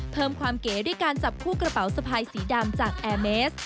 เพิ่มความเก๋ด้วยการจับคู่กระเป๋าสะพายสีดำจากแอร์เมส